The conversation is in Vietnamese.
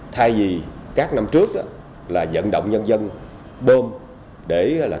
thay vì các năm trước là dẫn động nhân dân bơm để trực tiếp